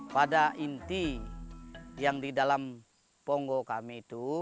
pada inti yang di dalam pongo kami